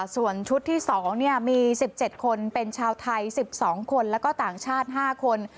ส่วนชุดที่๒มี๑๗คนเป็นชาวไทย๑๒คนแล้วก็ต่างชาติ๕คน